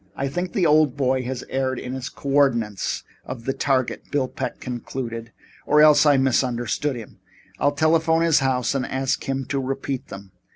"I think the old boy has erred in the co ordinates of the target," Bill Peck concluded, "or else I misunderstood him. I'll telephone his house and ask him to repeat them."